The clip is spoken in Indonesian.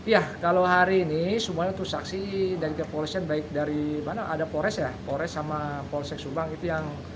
ya kalau hari ini semuanya itu saksi dari kepolisian baik dari mana ada pores ya pores sama polsek subang itu yang